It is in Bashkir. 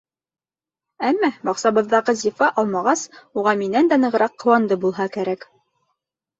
Әммә баҡсабыҙҙағы зифа алмағас уға минән дә нығыраҡ ҡыуанды булһа кәрәк.